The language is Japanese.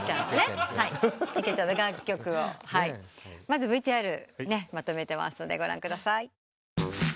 まずＶＴＲまとめてますんでご覧ください。